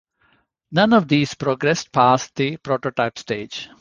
None of these progressed past the prototype stage.